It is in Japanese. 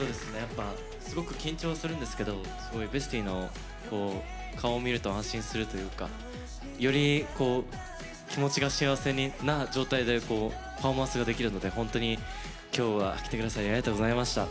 すごく緊張はするんですけどＢＥＳＴＹの顔を見ると安心するというかより気持ちが幸せな状態でパフォーマンスができるので本当に今日は来てくださりありがとうございました。